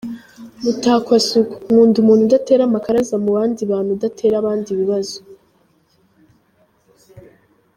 Mutakwasuku: Nkunda umuntu udatera amakaraza mu bandi bantu udatera abandi ibibazo.